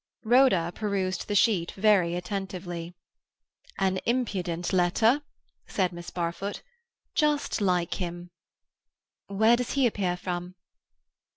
Rhoda perused the sheet very attentively. "An impudent letter," said Miss Barfoot. "Just like him." "Where does he appear from?"